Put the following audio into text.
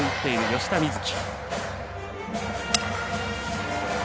吉田瑞樹！